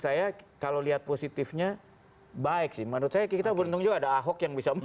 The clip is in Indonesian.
saya kalau lihat positifnya baik sih menurut saya kita beruntung juga ada ahok yang bisa